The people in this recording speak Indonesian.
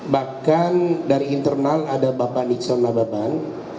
bahkan dari internal ada bapak nixon nababan